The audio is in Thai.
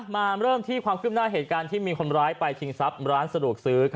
มาเริ่มที่ความขึ้นหน้าเหตุการณ์ที่มีคนร้ายไปชิงทรัพย์ร้านสะดวกซื้อ